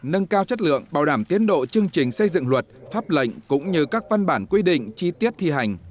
nâng cao chất lượng bảo đảm tiến độ chương trình xây dựng luật pháp lệnh cũng như các văn bản quy định chi tiết thi hành